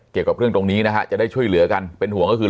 เกี่ยวกับเรื่องตรงนี้นะฮะจะได้ช่วยเหลือกันเป็นห่วงก็คือ